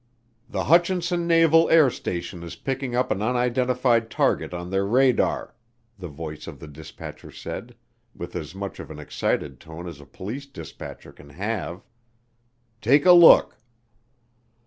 "The Hutchinson Naval Air Station is picking up an unidentified target on their radar," the voice of the dispatcher said, with as much of an excited tone as a police dispatcher can have. "Take a look."